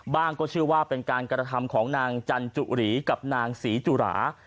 ก็เชื่อว่าเป็นการกระทำของนางจันจุหรีกับนางศรีจุรา